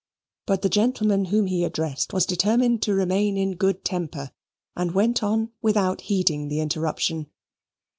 But the gentleman whom he addressed was determined to remain in good temper, and went on without heeding the interruption.